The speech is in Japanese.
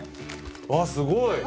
わあすごい！